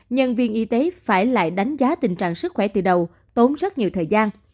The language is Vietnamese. nhân viên y tế phải lại đánh giá tình trạng sức khỏe từ đầu tốn rất nhiều thời gian